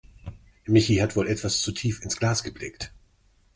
Michi hat wohl etwas zu tief ins Glas geblickt.